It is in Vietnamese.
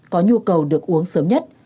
có nhu cầu được uống sớm nhất